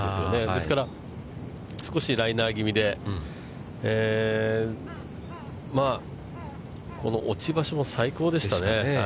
ですから、少しライナーぎみで、この落ち場所も最高でしたね。